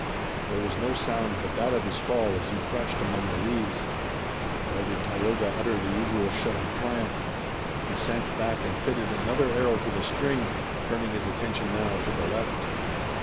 There was no sound but that of his fall as he crashed among the leaves. Nor did Tayoga utter the usual shout of triumph. He sank back and fitted another arrow to the string, turning his attention now to the left.